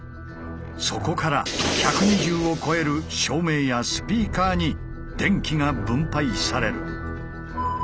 そこから１２０を超える照明やスピーカーに電気が分配される。